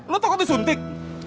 lo toko disuntik